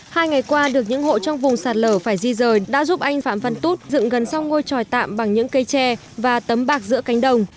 hai ngày qua được những hộ trong vùng sạt lở phải di rời đã giúp anh phạm văn tút dựng gần xong ngôi tròi tạm bằng những cây tre và tấm bạc giữa cánh đồng